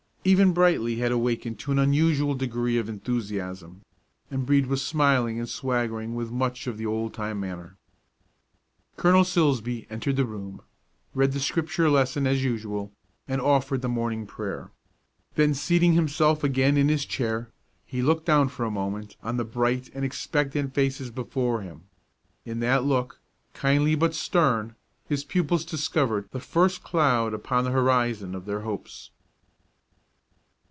Even Brightly had awakened to an unusual degree of enthusiasm, and Brede was smiling and swaggering with much of the old time manner. Colonel Silsbee entered the room, read the Scripture lesson as usual, and offered the morning prayer. Then, seating himself again in his chair, he looked down for a moment on the bright and expectant faces before him. In that look, kindly but stern, his pupils discovered the first cloud upon the horizon of their hopes.